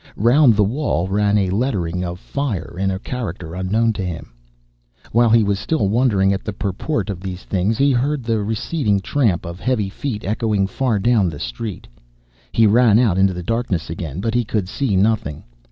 Round the wall ran a lettering of fire in a character unknown to him. While he was still wondering at the purport of these things, he heard the receding tramp of heavy feet echoing far down the street. He ran out into the darkness again, but he could see nothing.